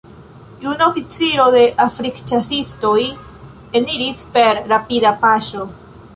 Juna oficiro de Afrikĉasistoj eniris per rapida paŝo.